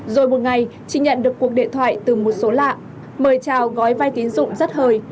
rồi một ngày chị nhận được cuộc điện thoại từ một số lạ mời chào gói vay tín dụng rất hơi